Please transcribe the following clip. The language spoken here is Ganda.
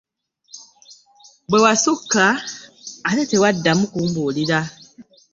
Bwe wassuuka ate tewaddamu kumbuulira.